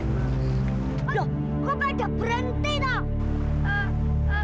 kok nga ada berhenti nga